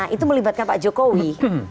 itu melibatkan pak jokowi